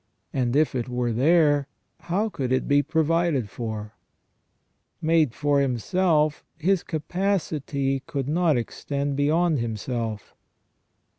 And if it were there, how could it be provided for? Made for himself, his capacity could not extend beyond himself.